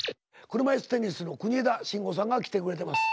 車いすテニスの国枝慎吾さんが来てくれてます。